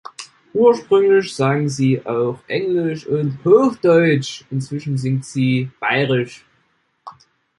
Ursprünglich sang sie auch englisch und hochdeutsch, inzwischen singt sie bairisch.